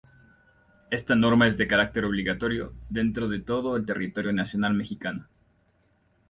Esta norma es de carácter obligatorio dentro de todo el territorio nacional mexicano.